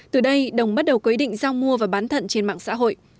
từ đây đồng bắt đầu quyết định giao mua và bán thận trên mạng xã hội